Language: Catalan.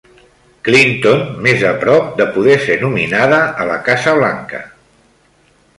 Clinton més a prop de poder ser nominada a la Casa Blanca